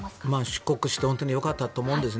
出国して本当によかったと思うんです。